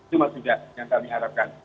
cuma juga yang kami harapkan